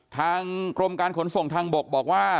ทางกรมการขนส่งทางบกบอกว่า